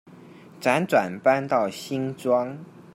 輾轉搬到新莊